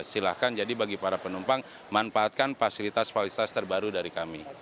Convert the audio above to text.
silahkan jadi bagi para penumpang manfaatkan fasilitas fasilitas terbaru dari kami